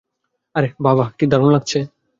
আরে, বাহ বাহ কি দারুন লাগছে, হায় হায়!